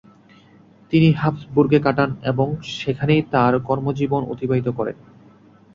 তিনি হাবস্বুর্গে কাটান এবং সেখানেই তার কর্মজীবন অতিবাহিত করেন।